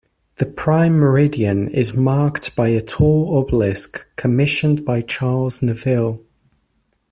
The Prime Meridian is marked by a tall obelisk, commissioned by Charles Neville.